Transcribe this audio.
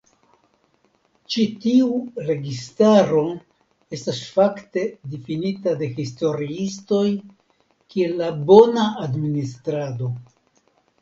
Ĉi tiu registaro estas fakte difinita de historiistoj kiel la "bona "administrado".